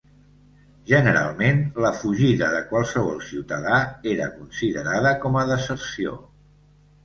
Generalment, la fugida de qualsevol ciutadà era considerada com a deserció.